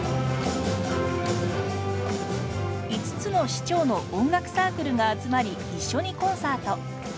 ５つの市町の音楽サークルが集まり一緒にコンサート。